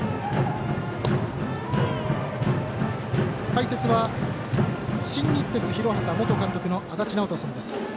解説は、新日鉄広畑元監督の足達尚人さんです。